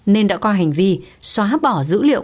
nên đã qua hành vi xóa bỏ dữ liệu